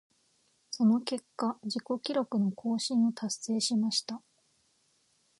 その結果、自己記録の更新を達成しました。